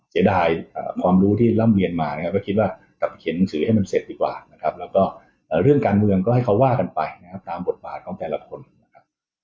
เสียดายความรู้ที่ร่ำเรียนมานะครับก็คิดว่ากับเขียนหนังสือให้มันเสร็จดีกว่านะครับแล้วก็เรื่องการเมืองก็ให้เขาว่ากันไปนะครับตามบทบาทของแต่ละคนนะครับ